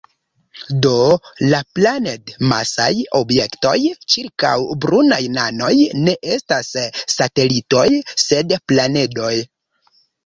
Do, la planed-masaj objektoj ĉirkaŭ brunaj nanoj ne estas satelitoj, sed planedoj.